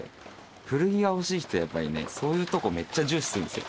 古着が欲しい人はやっぱりね、そういうところめっちゃ重視するんですよ。